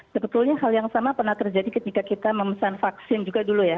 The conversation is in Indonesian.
sebetulnya hal yang sama pernah terjadi ketika kita memesan vaksin juga dulu ya